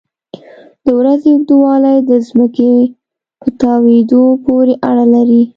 د ورځې اوږدوالی د ځمکې په تاوېدو پورې اړه لري.